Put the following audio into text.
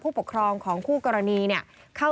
ผู้ปกครองของกู่กรณีเข้าแจ้งความ